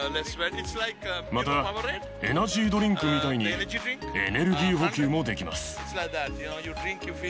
また、エナジードリンクみたいに、エネルギー補給もできます。